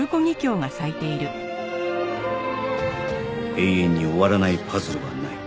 永遠に終わらないパズルはない